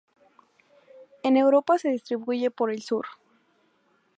En Europa se distribuye por el sur.